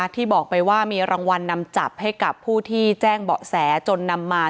ที่บอกไปว่ามีรางวัลนำจับให้กับผู้ที่แจ้งเบาะแสจนนำมา